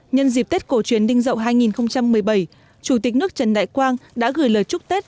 nhân dịp tết cổ truyền đinh dậu hai nghìn một mươi bảy chủ tịch nước trần đại quang đã gửi lời chúc tết